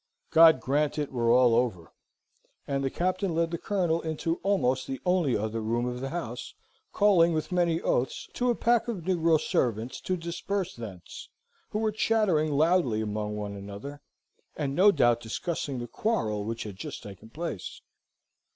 God grant it were well over!" And the Captain led the Colonel into almost the only other room of his house, calling, with many oaths, to a pack of negro servants, to disperse thence, who were chattering loudly among one another, and no doubt discussing the quarrel which had just taken place.